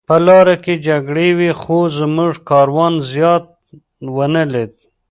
په لاره کې جګړې وې خو زموږ کاروان زیان ونه لید